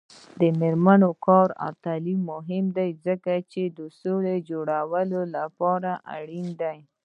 د میرمنو کار او تعلیم مهم دی ځکه چې سولې جوړولو لپاره اړین دی.